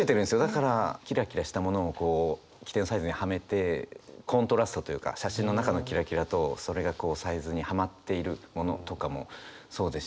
だからキラキラしたものをこう規定のサイズにはめてコントラストというか写真の中のキラキラとそれがサイズにはまっているものとかもそうですし。